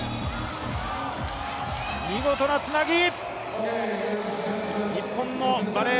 見事なつなぎ。